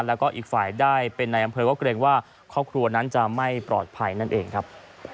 แล้วก็อีกฝ่ายได้เป็นในอำเภอก็เกรงว่าครอบครัวนั้นจะไม่ปลอดภัยนั่นเองครับ